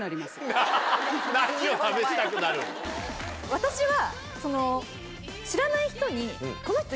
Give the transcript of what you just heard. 私は。